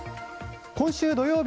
今週土曜日